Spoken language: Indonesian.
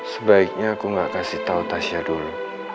sebaiknya aku nggak kasih tahu tasya dulu